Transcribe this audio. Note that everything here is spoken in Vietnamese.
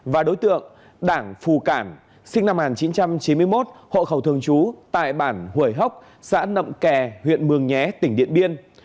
và đối tượng đảng phù cảm sinh năm một nghìn chín trăm chín mươi một hộ khẩu thường trú tại bản hủy hốc xã nậm kè huyện mường nhé tỉnh điện biên